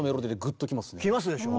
きますでしょ。